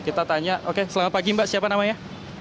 kita tanya oke selamat pagi mbak siapa namanya